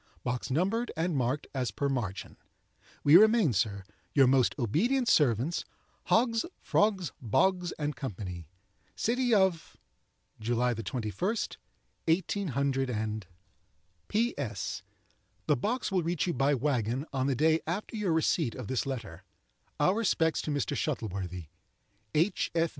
Box numbered and marked as per margin. "We remain, sir, "Your most ob'nt ser'ts, "HOGGS, FROGS, BOGS, & CO. "City of—, June 21, 18—. "P.S.—The box will reach you by wagon, on the day after your receipt of this letter. Our respects to Mr. Shuttleworthy. "H.